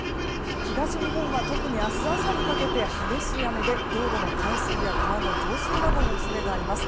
東日本は特に明日朝にかけて激しい雨で道路の冠水や川の増水などの恐れがあります。